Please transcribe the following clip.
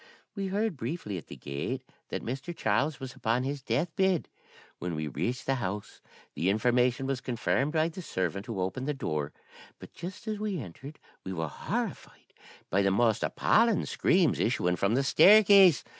We heard briefly at the gate that Mr. Charles was upon his death bed. When we reached the house, the information was confirmed by the servant who opened the door. But just as we entered we were horrified by the most appalling screams issuing from the staircase.